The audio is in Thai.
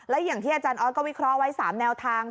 และอย่างที่อาจารย์ออสก็วิเคราะห์ไว้๓แนวทาง